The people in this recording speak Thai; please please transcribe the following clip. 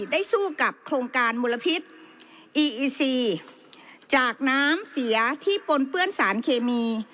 ได้สู้กับโครงการมลพิษอีอีซีจากน้ำเสียที่ปนเปื้อนสารเคมี